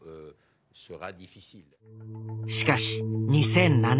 しかし２００７年。